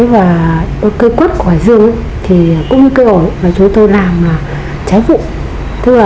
và cây quất của hải dương cũng như cây ổ chúng tôi làm trái vụ